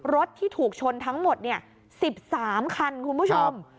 รถที่ถูกชนทั้งหมด๑๓คันคุณผู้ชม